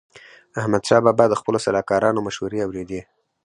احمدشاه بابا د خپلو سلاکارانو مشوري اوريدي.